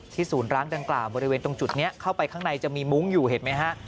ศูนย์ร้างดังกล่าวบริเวณตรงจุดนี้เข้าไปข้างในจะมีมุ้งอยู่เห็นไหมฮะ